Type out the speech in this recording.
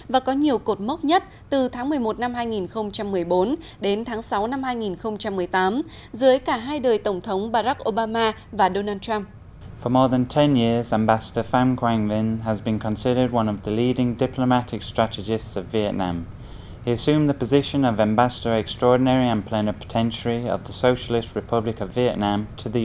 và có nhiều cột mốc nhất từ tháng một mươi một năm hai nghìn một mươi bốn đến tháng sáu năm hai nghìn một mươi tám